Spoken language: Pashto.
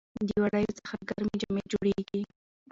د وړیو څخه ګرمې جامې جوړیږي.